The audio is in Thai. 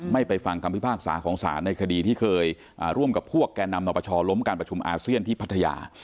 ไปฟังคำพิพากษาของศาลในคดีที่เคยร่วมกับพวกแก่นำนปชล้มการประชุมอาเซียนที่พัทยา